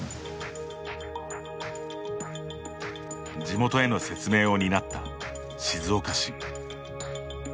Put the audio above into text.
地元への説明を担った静岡市。